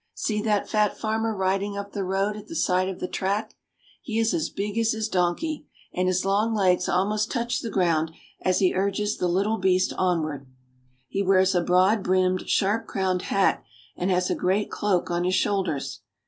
See that fat farmer riding up the road at the side of the track ! He is as big as his donkey, and his long legs almost touch the ground as he urges the little beast onward. He wears a broad brimmed, sharp crowned hat, and has a great cloak on his shoulders.